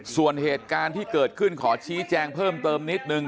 ส่วนเหตุการณ์ที่เกิดขึ้นขอชี้แจงเพิ่มเติมนิดนึง